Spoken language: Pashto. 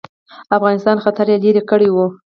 افغانستان خطر یې لیري کړی وو.